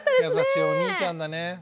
優しいお兄ちゃんだね。